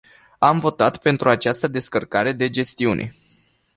Am votat pentru această descărcare de gestiune.